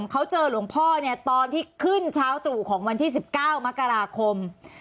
เขาเจอหลวงพ่อเนี่ยตอนที่ขึ้นเช้าตรู่ของวันที่๑๙มกราคม